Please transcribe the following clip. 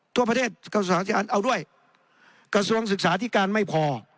ทั่วประเทศกระทรวงศึกษาธิการเอาด้วยกระทรวงศึกษาที่การไม่พอ